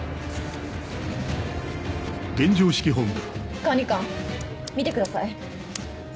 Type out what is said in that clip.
管理官見てください。